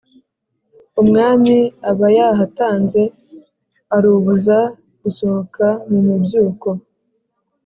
umwami aba yahatanze, arubuza gusohoka mu mubyuko.